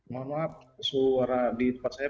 mohon maaf suara di tempat saya